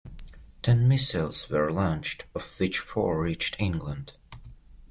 Ten missiles were launched of which four reached England.